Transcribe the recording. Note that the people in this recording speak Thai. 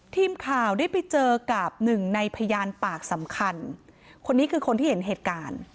ทีมข่าวได้ไปเจอกับหนึ่งในพยานปากสำคัญคนนี้คือคนที่เห็นเหตุการณ์